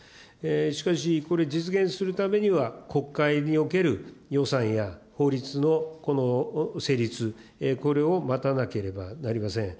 しかし、これ、実現するためには、国会における予算や法律のこの成立、これを待たなければなりません。